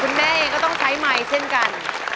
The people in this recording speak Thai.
แม่เองก็ต้องใช้ไมค์เช่นกัน